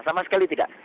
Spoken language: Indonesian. sama sekali tidak